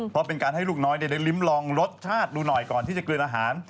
เพราะเป็นการให้ลูกน้อยได้ลิ้มลองรสชาติดูหน่อยก่อนที่จะกลืนอาหาร